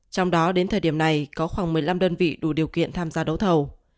trong đó đến thời điểm này có khoảng một mươi năm đơn vị đủ điều kiện tham gia đấu thầu